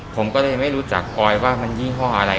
ผมก็เลยไม่รู้จักปอยว่ามันยี่ห้ออะไร